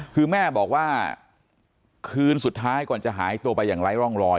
คือแม่บอกว่าคืนสุดท้ายก่อนจะหายตัวไปอย่างไร้ร่องรอย